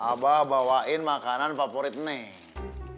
abah bawain makanan favorit nih